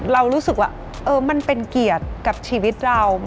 เรารู้สึกว่ามันเป็นเกียรติกับชีวิตเรา